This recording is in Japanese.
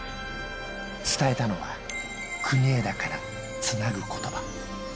伝えたのは、国枝からつなぐことば。